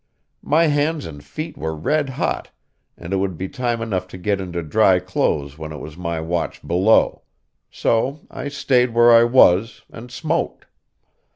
My hands and feet were red hot, and it would be time enough to get into dry clothes when it was my watch below; so I stayed where I was, and smoked.